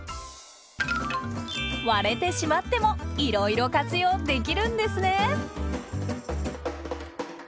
割れてしまってもいろいろ活用できるんですね！